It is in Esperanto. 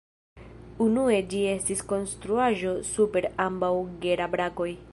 Unue ĝi estis konstruaĵo super ambaŭ Gera-brakoj.